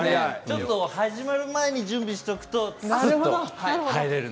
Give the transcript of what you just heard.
始まる前に準備しておくとすっと入れます。